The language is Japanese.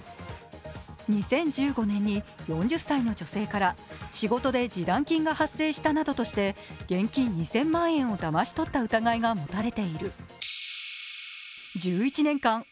２０１５年に４０歳の女性から仕事で示談金が発生したなどとして現金２０００万円をだまし取った疑いが持たれている。